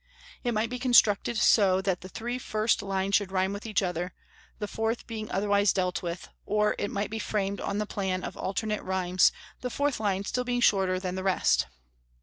It might be constructed so that the three first lines should rhyme with each other, the fourth being otherwise dealt with; or it might be framed on the plan of alternate rhymes, the fourth line still being shorter than the rest.